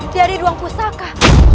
dari ruang pusaka